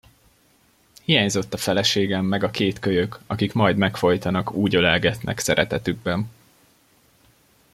Hiányzott a feleségem meg a két kölyök, akik majd megfojtanak, úgy ölelgetnek szeretetükben.